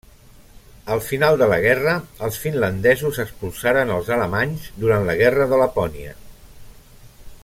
Al final de la guerra els finlandesos expulsaren els alemanys durant la Guerra de Lapònia.